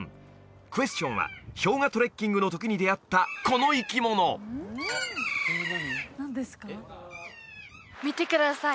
クエスチョンは氷河トレッキングのときに出会ったこの生き物見てください